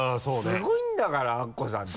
すごいんだからアッコさんって。